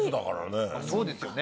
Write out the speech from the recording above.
そうですよね。